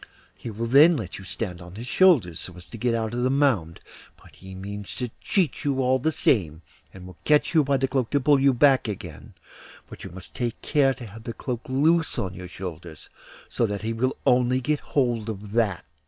He will then let you stand on his shoulders, so as to get out of the mound; but he means to cheat you all the same, and will catch you by the cloak to pull you back again; but you must take care to have the cloak loose on your shoulders, so that he will only get hold of that.